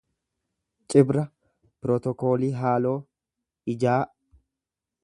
Cibra pirotokoolii haaloo, ijaa.